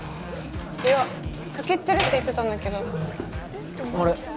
いや先行ってるって言ってたんだけどあれ？